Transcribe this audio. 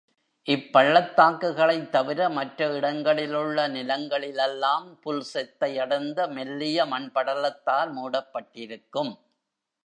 இப் பள்ளத்தாக்குகளைத் தவிர மற்ற இடங்களிலுள்ள நிலங்களெல்லாம், புல் செத்தை அடர்ந்த மெல்லிய மண்படலத்தால் மூடப்பட்டிருக்கும்.